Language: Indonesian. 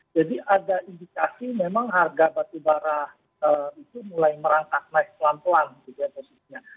jadi ada indikasi memang harga batu bara itu mulai merangkak naik pelan pelan gitu ya positinya